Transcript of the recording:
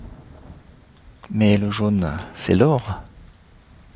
Mais le jaune ; `c’est l’or :